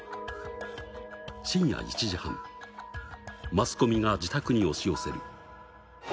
深夜１時半、マスコミが自宅に押し寄せる。